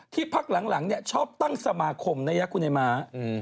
ที่พักหลังชอบตั้งสมาคมในยักษ์กุเนมา